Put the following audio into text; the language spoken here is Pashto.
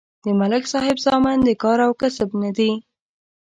د ملک صاحب زامن د کار او کسب نه دي